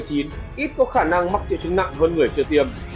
ít có khả năng mắc triệu chứng nặng hơn người chưa tiêm